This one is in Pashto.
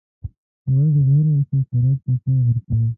مالګه د هر موسم خوراک ته خوند ورکوي.